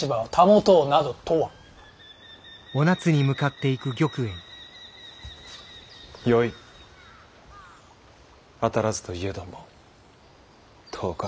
当たらずといえども遠からずじゃ。